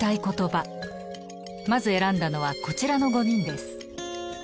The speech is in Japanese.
まず選んだのはこちらの５人です。